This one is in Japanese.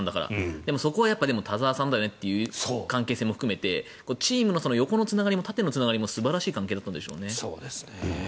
でも、そこはやっぱり田澤さんだよねっていう関係性も含めてチームの横のつながりも縦のつながりも素晴らしい関係だったんでしょうね。